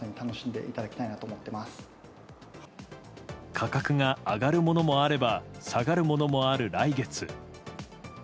価格が上がるものがあれば下がるものもある来月。